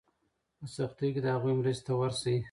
په سختۍ کې د هغوی مرستې ته ورشئ.